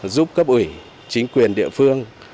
giúp cấp ủy chính quyền địa phương